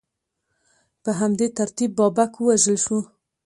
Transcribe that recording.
په همدې ترتیب بابک ووژل شو.